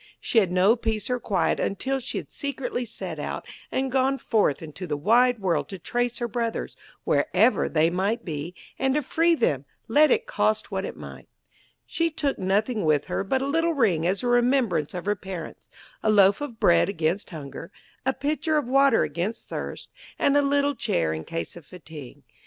She had no peace or quiet until she had secretly set out, and gone forth into the wide world to trace her brothers, wherever they might be, and to free them, let it cost what it might. She took nothing with her but a little ring as a remembrance of her parents, a loaf of bread against hunger, a pitcher of water against thirst, and a little chair in case of fatigue.